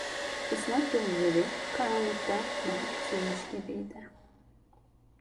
Islak gözleri karanlıkta daha küçülmüş gibiydi.